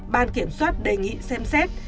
ban kiểm soát đề nghị xem xét